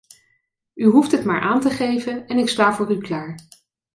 U hoeft het maar aan te geven en ik sta voor u klaar.